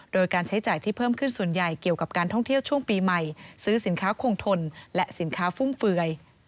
โดยการใช้จ่ายที่เพิ่มขึ้นส่วนใหญ่เกี่ยวกับการท่องเที่ยวช่วงปีใหม่ซื้อสินค้าคงทนและสินค้าฟุ่มเฟือย